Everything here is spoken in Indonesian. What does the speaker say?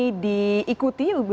mudah mudahan tentunya ini diikuti